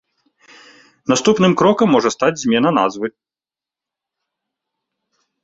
Наступным крокам можа стаць змена назвы.